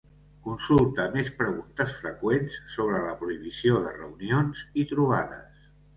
Consulta més preguntes freqüents sobre la prohibició de reunions i trobades.